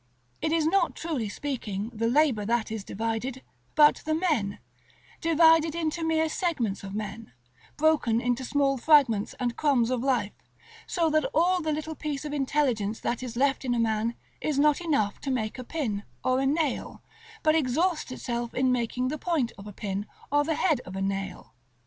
It is not, truly speaking, the labor that is divided; but the men: Divided into mere segments of men broken into small fragments and crumbs of life; so that all the little piece of intelligence that is left in a man is not enough to make a pin, or a nail, but exhausts itself in making the point of a pin, or the head of a nail.